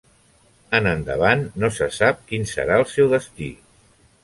En endavant, no se sap quin serà el seu destí.